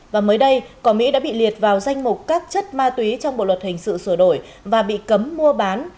và mới đây cỏ mỹ đã bị liệt vào danh mục các chất ma túy trong bộ luật hình sự sửa đổi và bị cấm mua bán